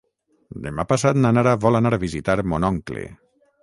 Demà passat na Nara vol anar a visitar mon oncle.